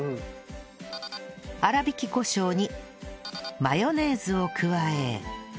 粗挽きコショウにマヨネーズを加え